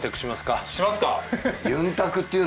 しますか？